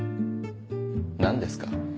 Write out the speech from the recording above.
何ですか？